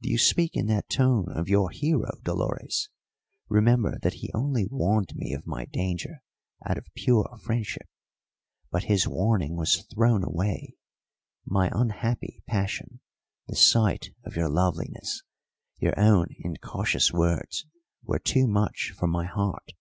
"Do you speak in that tone of your hero, Dolores? Remember that he only warned me of my danger out of pure friendship. But his warning was thrown away; my unhappy passion, the sight of your loveliness, your own incautious words, were too much for my heart."